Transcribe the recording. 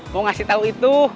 mau ngasih tau itu